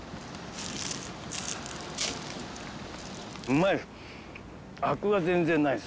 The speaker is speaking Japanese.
うまい！